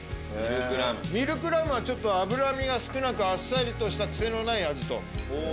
ミルクラムはちょっと脂身が少なくあっさりとした癖のない味と。